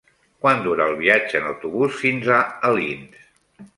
Quant dura el viatge en autobús fins a Alins?